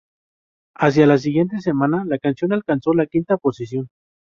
Hacia la siguiente semana la canción alcanzó la quinta posición.